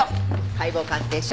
解剖鑑定書。